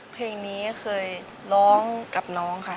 เพลงนี้เคยร้องกับน้องค่ะ